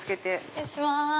失礼します。